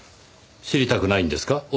知りたくないんですか？